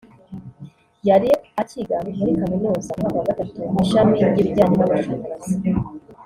yari acyiga muri Kaminuza mu mwaka wa gatatu mu ishami ry’ibijyanye n’amashanyarazi